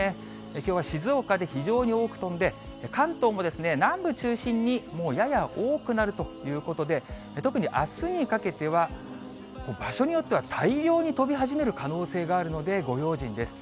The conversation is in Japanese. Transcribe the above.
きょうは静岡で非常に多く飛んで、関東もですね、南部中心にもうやや多くなるということで、特に、あすにかけては、場所によっては大量に飛び始める可能性があるので、ご用心です。